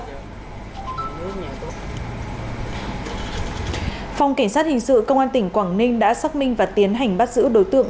phòng cảnh sát hình sự công an tỉnh quảng ninh đã xác minh và tiến hành bắt giữ đối tượng